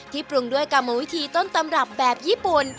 ปรุงด้วยกรรมวิธีต้นตำรับแบบญี่ปุ่น